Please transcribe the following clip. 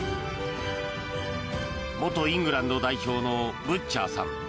元イングランド代表のブッチャーさん。